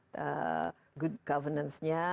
dari segi governance nya